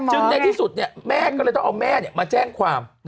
จึงในที่สุดเนี่ยต้องเอาแม่มาแจ้งความ